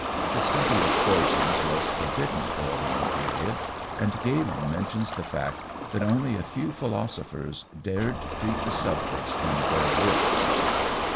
The study of poisons was forbidden for a long period, and Galen mentions the fact that only a few philosophers dared treat the subjects in their works.